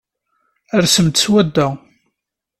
Alsem-d seg swadda.